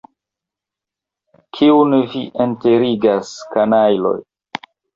Kiun vi enterigas, kanajloj?